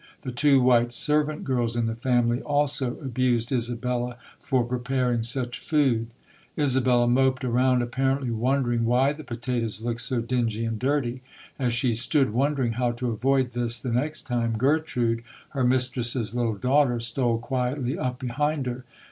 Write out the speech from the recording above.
The two white servant girls in the family also abused Isabella for preparing such food. Isabella moped around apparently wondering why the potatoes looked so dingy and dirty. As she stood wondering how to avoid this the next time, Gertrude, her mistress's little daughter, stole quietly up behind her.